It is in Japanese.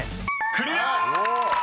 ［クリア！］